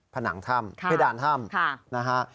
ผนังถ้ำเพดานถ้ำนะฮะ